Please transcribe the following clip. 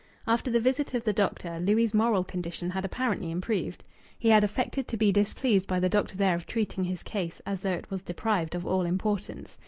After the visit of the doctor, Louis' moral condition had apparently improved. He had affected to be displeased by the doctor's air of treating his case as though it was deprived of all importance.